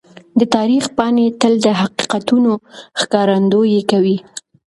د تاریخ پاڼې تل د حقیقتونو ښکارندويي کوي.